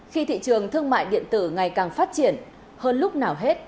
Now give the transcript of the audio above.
khi thị trường thương mại điện tử ngày càng phát triển hơn lúc nào hết